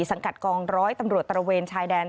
สังกัดกองร้อยตำรวจตระเวนชายแดน